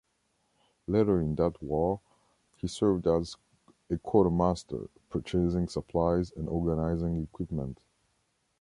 Later in that war, he served as a quartermaster, purchasing supplies and organizing equipment.